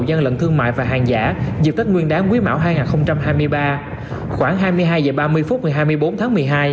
dân lận thương mại và hàng giả dự tích nguyên đáng quý mạo hai nghìn hai mươi ba khoảng hai mươi hai h ba mươi phút hai mươi bốn tháng một mươi hai